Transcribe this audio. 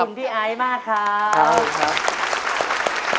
ขอบคุณพี่อายมากครับ